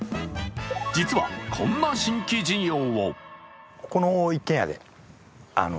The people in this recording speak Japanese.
実はこんな新規事業を。